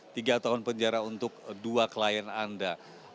tiga tahun penjara untuk dua klien anda